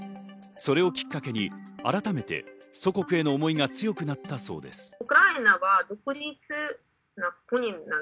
それをきっかけに改めて祖国への思いが強くなったそうです。